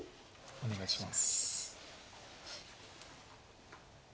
お願いします。